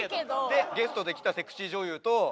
でゲストで来たセクシー女優と。